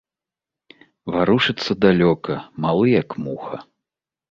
Варушыцца далёка, малы, як муха.